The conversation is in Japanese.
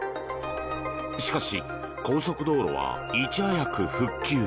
しかし、高速道路はいち早く復旧。